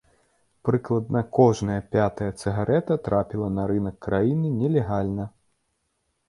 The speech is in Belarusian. Прыкладна кожная пятая цыгарэта трапіла на рынак краіны нелегальна.